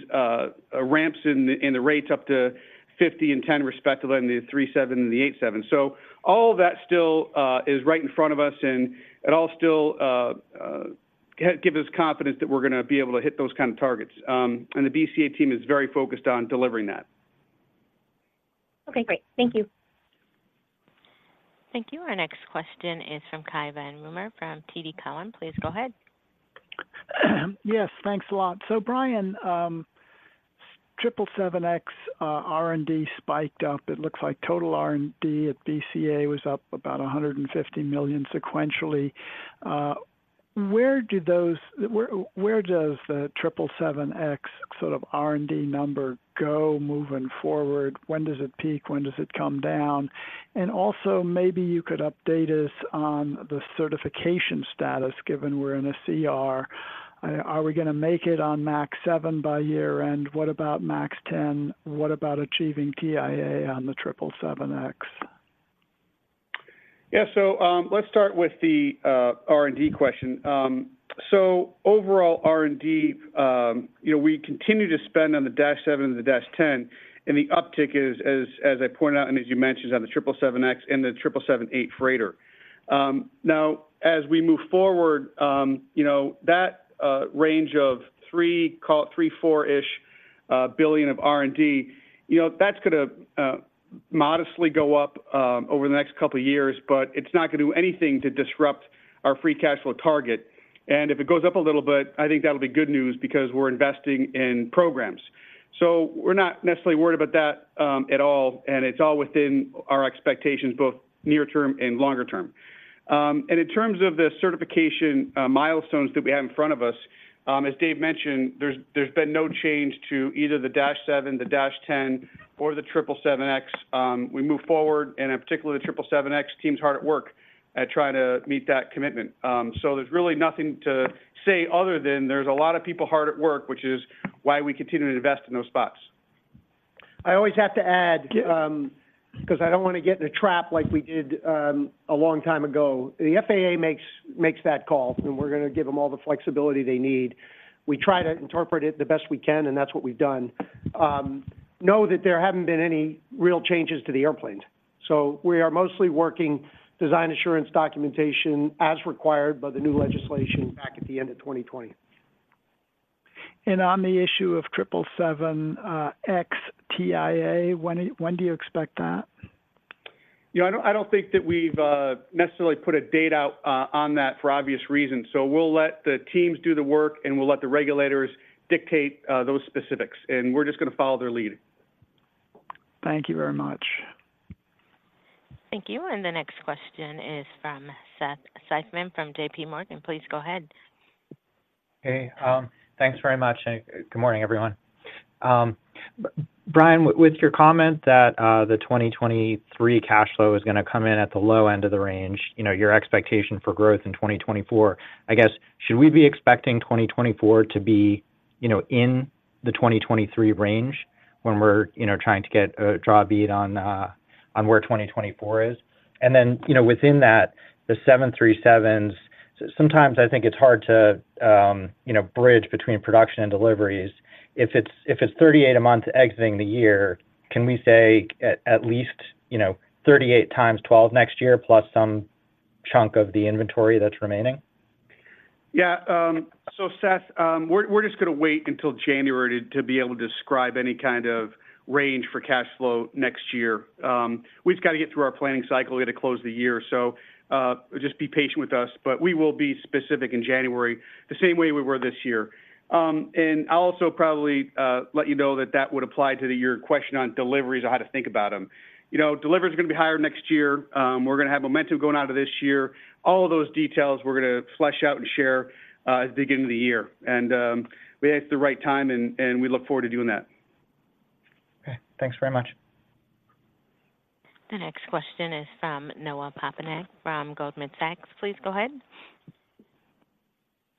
ramps in the rates up to 50 and 10, respectively, in the 737 and the 787. So all of that still is right in front of us, and it all still gives us confidence that we're going to be able to hit those kind of targets. And the BCA team is very focused on delivering that. Okay, great. Thank you. Thank you. Our next question is from Cai von Rumohr, from TD Cowen. Please go ahead. Yes, thanks a lot. So Brian, 777X, R&D spiked up. It looks like total R&D at BCA was up about $150 million sequentially. Where does the 777X sort of R&D number go moving forward? When does it peak? When does it come down? And also, maybe you could update us on the certification status, given we're in a CR. Are we going to make it on MAX 7 by year-end? What about MAX 10? What about achieving TIA on the 777X? Yeah. So, let's start with the R&D question. So overall R&D, you know, we continue to spend on the 737-7 and the 737-10, and the uptick is, as I pointed out, and as you mentioned, on the 777X and the 777-8 Freighter. Now, as we move forward, you know, that range of 3, call it 3-4-ish billion of R&D, you know, that's going to modestly go up over the next couple of years, but it's not going to do anything to disrupt our free cash flow target. And if it goes up a little bit, I think that'll be good news because we're investing in programs. So we're not necessarily worried about that at all, and it's all within our expectations, both near term and longer term. And in terms of the certification milestones that we have in front of us, as Dave mentioned, there's been no change to either the Dash Seven, the Dash Ten, or the 777X. We move forward, and in particular, the 777X team's hard at work at trying to meet that commitment. So there's really nothing to say other than there's a lot of people hard at work, which is why we continue to invest in those spots. I always have to add, because I don't want to get in a trap like we did, a long time ago. The FAA makes that call, and we're going to give them all the flexibility they need. We try to interpret it the best we can, and that's what we've done. Know that there haven't been any real changes to the airplanes. So we are mostly working design assurance documentation as required by the new legislation back at the end of 2020. On the issue of 777X TIA, when, when do you expect that? You know, I don't think that we've necessarily put a date out on that for obvious reasons. So we'll let the teams do the work, and we'll let the regulators dictate those specifics, and we're just going to follow their lead. Thank you very much. Thank you. The next question is from Seth Seifman, from J.P. Morgan. Please go ahead.... Hey, thanks very much, and good morning, everyone. But Brian, with your comment that the 2023 cash flow is going to come in at the low end of the range, you know, your expectation for growth in 2024, I guess, should we be expecting 2024 to be, you know, in the 2023 range when we're, you know, trying to get a draw bead on, on where 2024 is? And then, you know, within that, the 737s, sometimes I think it's hard to, you know, bridge between production and deliveries. If it's, if it's 38 a month exiting the year, can we say at, at least, you know, 38 times 12 next year, plus some chunk of the inventory that's remaining? Yeah, so Seth, we're just going to wait until January to be able to describe any kind of range for cash flow next year. We've just got to get through our planning cycle. We've got to close the year. So, just be patient with us, but we will be specific in January, the same way we were this year. And I'll also probably let you know that that would apply to the your question on deliveries or how to think about them. You know, delivery is going to be higher next year. We're going to have momentum going out of this year. All of those details, we're going to flesh out and share at the beginning of the year. And we think it's the right time, and we look forward to doing that. Okay. Thanks very much. The next question is from Noah Poponak, from Goldman Sachs. Please go ahead.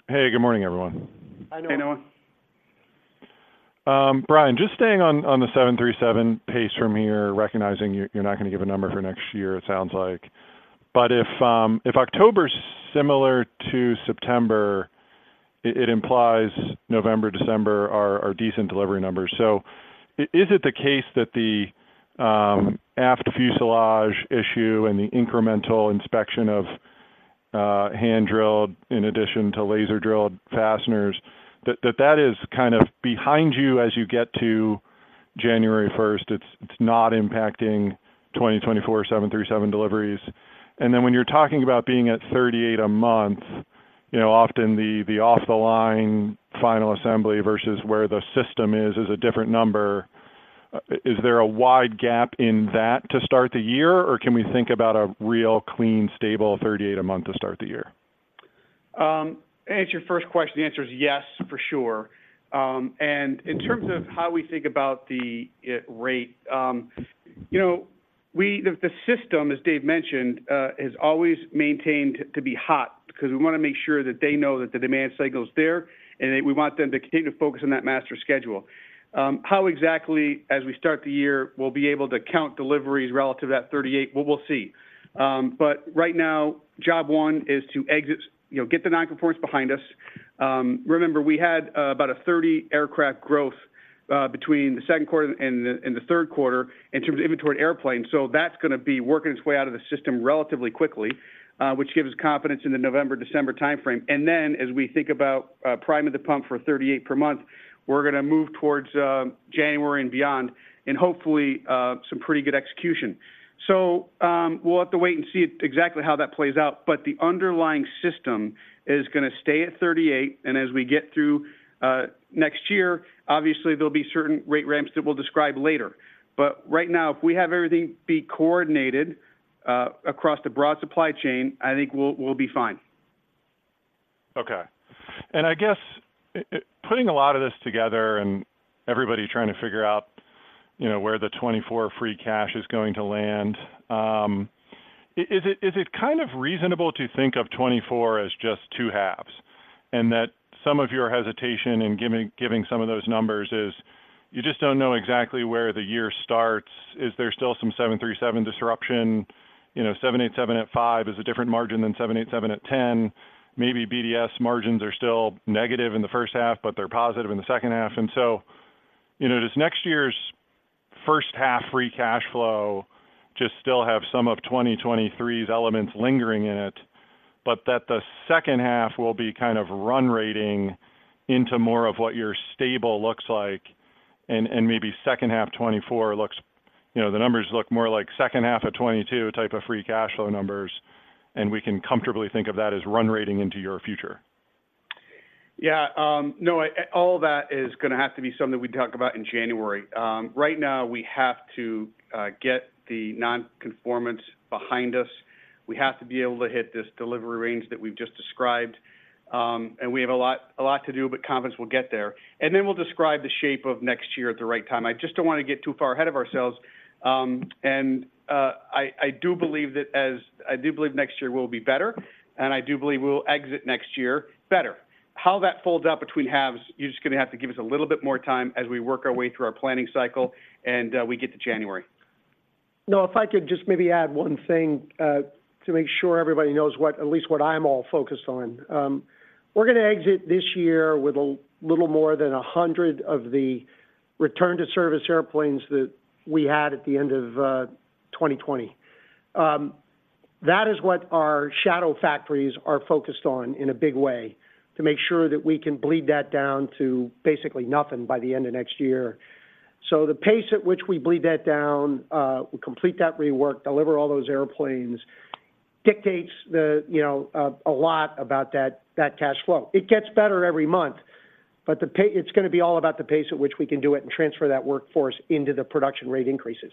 Hey, good morning, everyone. Hi, Noah. Hey, Noah. Brian, just staying on, on the 737 pace from here, recognizing you, you're not going to give a number for next year, it sounds like. But if October is similar to September, it implies November, December are decent delivery numbers. So is it the case that the aft fuselage issue and the incremental inspection of hand-drilled, in addition to laser-drilled fasteners, that is kind of behind you as you get to January first? It's not impacting 2024 737 deliveries. And then when you're talking about being at 38 a month, you know, often the off the line final assembly versus where the system is is a different number. Is there a wide gap in that to start the year, or can we think about a real clean, stable 38 a month to start the year? To answer your first question, the answer is yes, for sure. And in terms of how we think about the rate, you know, the system, as Dave mentioned, is always maintained to be hot because we want to make sure that they know that the demand cycle is there, and that we want them to continue to focus on that master schedule. How exactly, as we start the year, we'll be able to count deliveries relative to that 38? Well, we'll see. But right now, job one is to exit, you know, get the nonconformance behind us. Remember, we had about a 30 aircraft growth between the second quarter and the third quarter in terms of inventory of airplanes. So that's going to be working its way out of the system relatively quickly, which gives us confidence in the November, December time frame. And then, as we think about priming the pump for 38 per month, we're going to move towards January and beyond, and hopefully some pretty good execution. So, we'll have to wait and see exactly how that plays out, but the underlying system is going to stay at 38, and as we get through next year, obviously, there'll be certain rate ramps that we'll describe later. But right now, if we have everything be coordinated across the broad supply chain, I think we'll be fine. Okay. And I guess, putting a lot of this together and everybody trying to figure out, you know, where the 2024 free cash is going to land, is it kind of reasonable to think of 2024 as just two halves? And that some of your hesitation in giving some of those numbers is you just don't know exactly where the year starts. Is there still some 737 disruption? You know, 787 at five is a different margin than 787 at ten. Maybe BDS margins are still negative in the first half, but they're positive in the second half. And so, you know, does next year's first half free cash flow just still have some of 2023's elements lingering in it, but that the second half will be kind of run rating into more of what your stable looks like, and, and maybe second half 2024 looks, you know, the numbers look more like second half of 2022 type of free cash flow numbers, and we can comfortably think of that as run rating into your future? Yeah, no, all that is going to have to be something that we talk about in January. Right now, we have to get the nonconformance behind us. We have to be able to hit this delivery range that we've just described, and we have a lot, a lot to do, but confidence will get there. And then we'll describe the shape of next year at the right time. I just don't want to get too far ahead of ourselves. And, I do believe next year will be better, and I do believe we will exit next year better. How that folds out between halves, you're just going to have to give us a little bit more time as we work our way through our planning cycle, and we get to January. Noah, if I could just maybe add one thing to make sure everybody knows what, at least what I'm all focused on. We're going to exit this year with a little more than 100 of the return to service airplanes that we had at the end of 2020. That is what our shadow factories are focused on in a big way, to make sure that we can bleed that down to basically nothing by the end of next year. So the pace at which we bleed that down, complete that rework, deliver all those airplanes, dictates the, you know, a lot about that, that cash flow. It gets better every month.... but it's gonna be all about the pace at which we can do it and transfer that workforce into the production rate increases.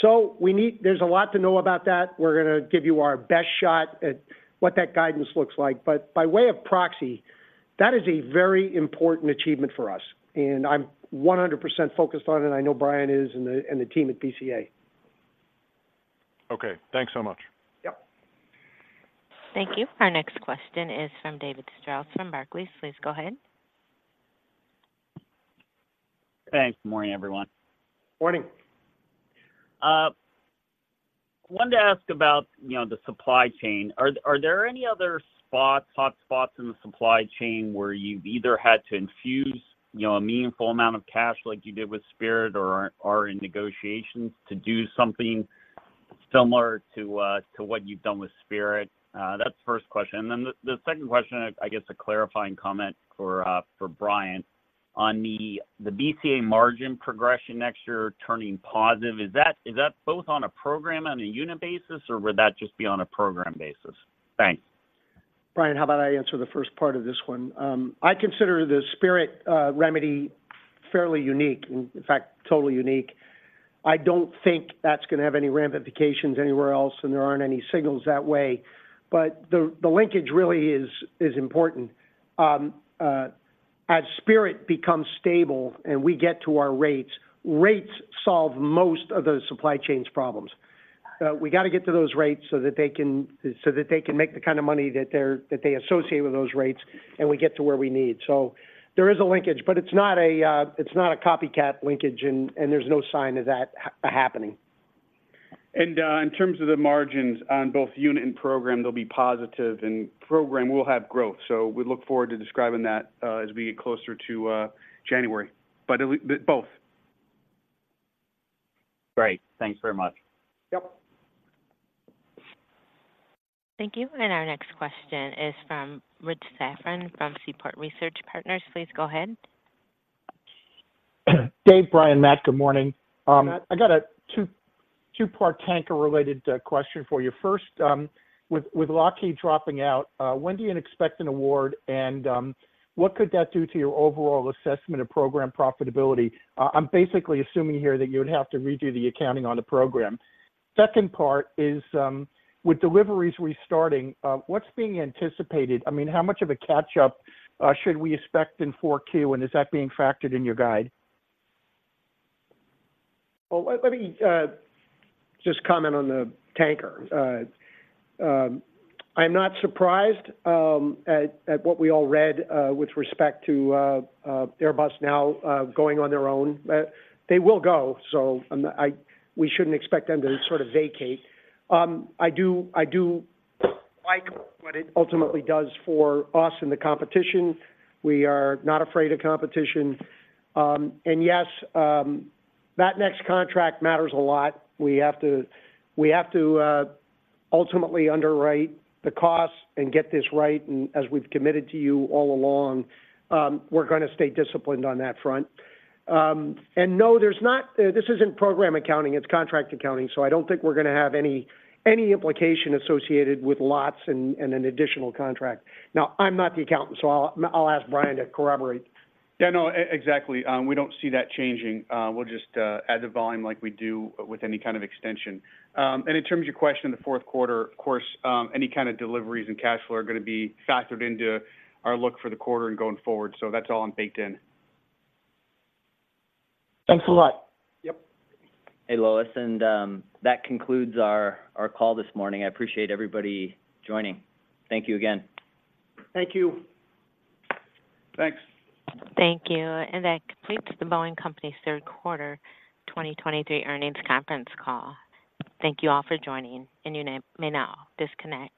So there's a lot to know about that. We're gonna give you our best shot at what that guidance looks like. But by way of proxy, that is a very important achievement for us, and I'm 100% focused on it, and I know Brian is, and the team at BCA. Okay, thanks so much. Yep. Thank you. Our next question is from David Strauss from Barclays. Please go ahead. Thanks. Good morning, everyone. Morning. Wanted to ask about, you know, the supply chain. Are there any other spots, hot spots in the supply chain where you've either had to infuse, you know, a meaningful amount of cash like you did with Spirit, or are in negotiations to do something similar to what you've done with Spirit? That's the first question. And then the second question, I guess a clarifying comment for Brian. On the BCA margin progression next year, turning positive, is that both on a program on a unit basis, or would that just be on a program basis? Thanks. Brian, how about I answer the first part of this one? I consider the Spirit remedy fairly unique, in fact, totally unique. I don't think that's gonna have any ramifications anywhere else, and there aren't any signals that way. But the linkage really is important. As Spirit becomes stable and we get to our rates, rates solve most of the supply chains problems. We gotta get to those rates so that they can make the kind of money that they associate with those rates, and we get to where we need. So there is a linkage, but it's not a copycat linkage, and there's no sign of that happening. And, in terms of the margins on both unit and program, they'll be positive, and program will have growth. So we look forward to describing that as we get closer to January. But at least both. Great. Thanks very much. Yep. Thank you. Our next question is from Rich Safran from Seaport Research Partners. Please go ahead. Dave, Brian, Matt, good morning. I got a two-part tanker-related question for you. First, with Lockheed dropping out, when do you expect an award, and what could that do to your overall assessment of program profitability? I'm basically assuming here that you would have to redo the accounting on the program. Second part is, with deliveries restarting, what's being anticipated? I mean, how much of a catch-up should we expect in 4Q, and is that being factored in your guide? Well, let me just comment on the tanker. I'm not surprised at what we all read with respect to Airbus now going on their own. They will go, so we shouldn't expect them to sort of vacate. I do like what it ultimately does for us in the competition. We are not afraid of competition. And yes, that next contract matters a lot. We have to ultimately underwrite the costs and get this right. And as we've committed to you all along, we're gonna stay disciplined on that front. And no, there's not, this isn't program accounting, it's contract accounting, so I don't think we're gonna have any implication associated with lots and an additional contract. Now, I'm not the accountant, so I'll ask Brian to corroborate. Yeah, no, exactly. We don't see that changing. We'll just add the volume like we do with any kind of extension. And in terms of your question, in the fourth quarter, of course, any kind of deliveries and cash flow are gonna be factored into our look for the quarter and going forward, so that's all I'm baked in. Thanks a lot. Yep. Hey, Louis, and that concludes our call this morning. I appreciate everybody joining. Thank you again. Thank you. Thanks. Thank you, and that completes the Boeing Company's third quarter 2023 earnings conference call. Thank you all for joining, and you may now disconnect.